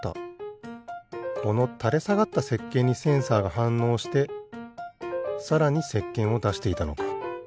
このたれさがったせっけんにセンサーがはんのうしてさらにせっけんをだしていたのか。